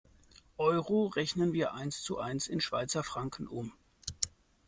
Euro rechnen wir eins zu eins in Schweizer Franken um.